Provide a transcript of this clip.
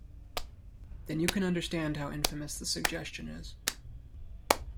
Then you can understand how infamous the suggestion is.